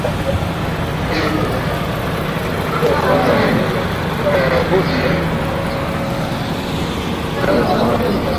uambukizaji wa ugonjwa wa Mkojo Mwekundu kupitia kwa kupe wa samawati